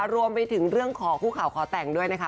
รวมไปถึงเรื่องขอคู่ข่าวขอแต่งด้วยนะคะ